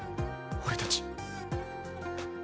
俺たち。